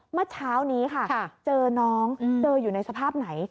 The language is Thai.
เมื่อเช้านี้ค่ะเจอน้องเจออยู่ในสภาพไหน